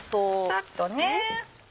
サッとね。